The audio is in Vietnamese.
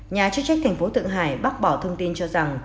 nhà chức trách tp thượng hải bác bỏ thông tin cho rằng